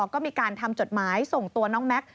ก็มีการทำจดหมายส่งตัวน้องแม็กซ